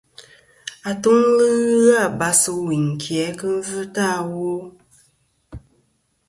Atuŋlɨ ghɨ abas ɨ wuyn ki a kɨ yvɨtɨ awo.